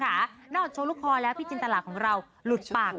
นอกจากโชว์ลูกคอแล้วพี่จินตลาของเราหลุดปาก